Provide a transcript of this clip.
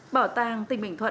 bảo tàng tỉnh bình thuận